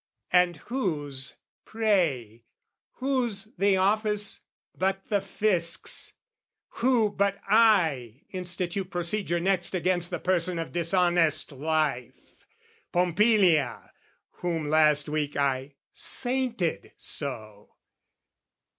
And whose, pray, whose the office, but the Fisc's? Who but I institute procedure next Against the person of dishonest life, Pompilia, whom last week I sainted so?